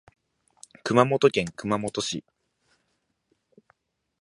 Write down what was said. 熊本県熊本市